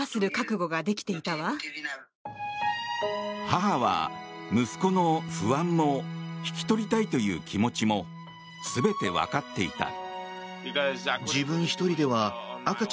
母は息子の不安も引き取りたいという気持ちも全てわかっていた。